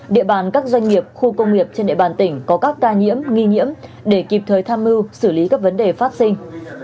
địa bàn các doanh nghiệp khu công nghiệp trên địa bàn tỉnh có các ca nhiễm nghi nhiễm để kịp thời tham mưu xử lý các vấn đề phát sinh